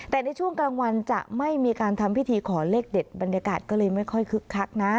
แต่ในช่วงกลางวันจะไม่มีการทำพิธีขอเลขเด็ดบรรยากาศก็เลยไม่ค่อยคึกคักนะ